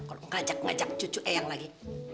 kalau ngajak ngajak cucu eyang lagi